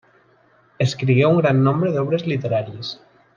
Escrigué un gran nombre d'obres literàries.